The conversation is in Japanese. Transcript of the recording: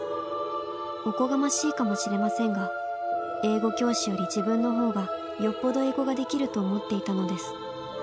おこがましいかもしれませんが英語教師より自分の方がよっぽど英語ができると思っていたのです。